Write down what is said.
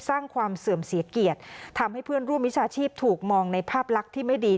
สร้างความเสื่อมเสียเกียรติทำให้เพื่อนร่วมวิชาชีพถูกมองในภาพลักษณ์ที่ไม่ดี